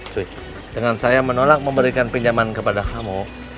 cuit dengan saya menolak memberikan pinjaman kepada kamu